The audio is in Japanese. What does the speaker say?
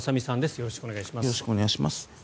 よろしくお願いします。